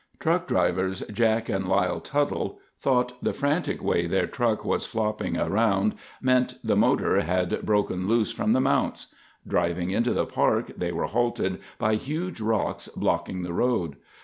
Truck drivers Jack and Lyle Tuttle thought the frantic way their truck was flopping around meant the motor had broken loose from the mounts. Driving into the Park, they were halted by huge rocks blocking the road.